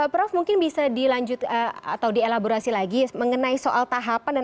prof mungkin bisa dilanjut atau di elaborasi lagi mengenai soal tahapan dan apa saja yang anda inginkan